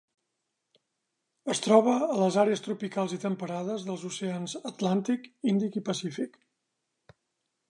Es troba a les àrees tropicals i temperades dels oceans Atlàntic, Índic i Pacífic.